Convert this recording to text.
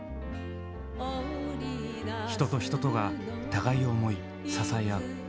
人と人とが互いを思い支え合う。